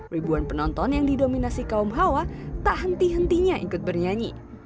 ribuan penonton yang didominasi kaum hawa tak henti hentinya ikut bernyanyi